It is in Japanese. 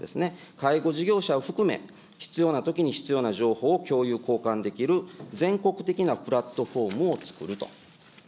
介護事業者を含め、必要なときに必要な情報を共有・交換できる全国的なプラットフォームを作ると。